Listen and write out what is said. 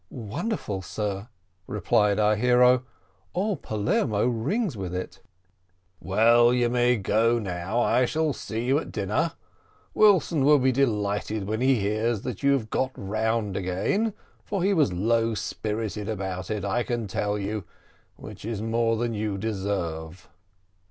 "Wonderful, sir!" replied our hero; "all Palermo rings with it." "Well, you may go now I shall see you at dinner. Wilson will be delighted when he hears that you have got round again, for he was low spirited about it, I can tell you, which is more than you deserve."